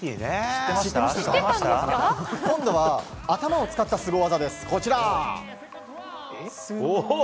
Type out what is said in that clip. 今度は頭を使ったスゴ技です。